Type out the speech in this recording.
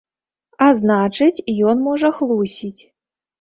А значыць, ён можа хлусіць.